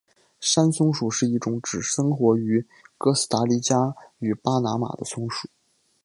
山松鼠是一种只生活于哥斯大黎加与巴拿马的松鼠。